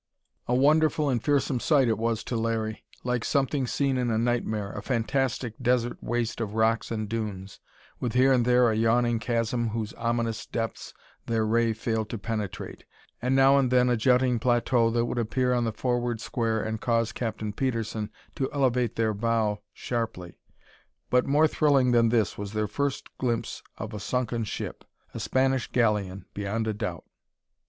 A wonderful and fearsome sight it was to Larry: like something seen in a nightmare a fantastic desert waste of rocks and dunes, with here and there a yawning chasm whose ominous depths their ray failed to penetrate, and now and then a jutting plateau that would appear on the forward square and cause Captain Petersen to elevate their bow sharply. But more thrilling than this was their first glimpse of a sunken ship a Spanish galleon, beyond a doubt!